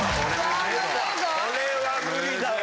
これは無理だわ。